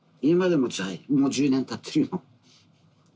もう１０年たってるよ。